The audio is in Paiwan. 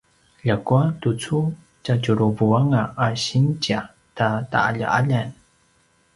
ljakua tucu tjatjuruvanga a sinzia ta ta’alja’aljan